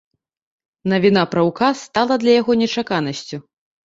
Навіна пра ўказ стала для яго нечаканасцю.